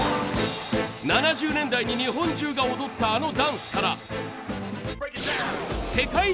７０年代に日本中が踊ったあのダンスから。